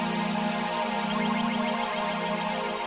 jangan lagi bahas hati hati ayahmu